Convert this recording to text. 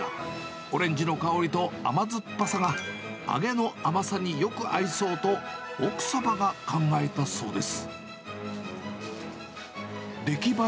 オレンジの香りと甘酸っぱさが、揚げの甘さによく合いそうと、奥様が考えたそうです。